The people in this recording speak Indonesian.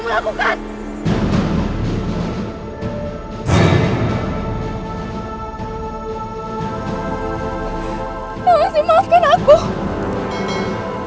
apa yang sedia kamu lakukan